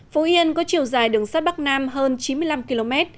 phú yên có chiều dài đường sắt bắc nam hơn chín mươi năm km